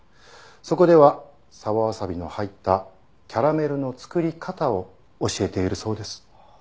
そこでは沢わさびの入ったキャラメルの作り方を教えているそうです。